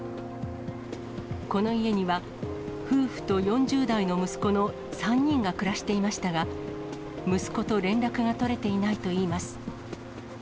この家には、夫婦と４０代の息子の３人が暮らしていましたが、息子と連絡が取れていないといいます。